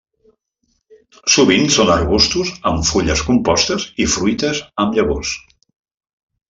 Sovint són arbustos amb fulles compostes i fruites amb llavors.